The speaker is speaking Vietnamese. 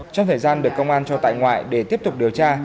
trong thời gian được công an cho tại ngoại để tiếp tục điều tra